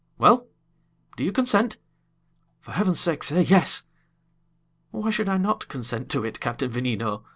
Well, do you consent? For heaven's sake, say yes!" "Why should I not consent to it, Captain Veneno?"